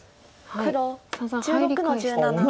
黒１６の十七。